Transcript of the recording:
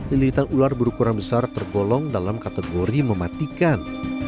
lilitan ular berukuran besar tergolong dalam kategori mematikan